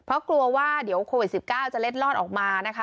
เพราะกลัวว่าเดี๋ยวโควิด๑๙จะเล็ดลอดออกมานะคะ